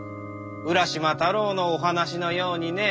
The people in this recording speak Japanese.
「浦島太郎」のお話のようにね。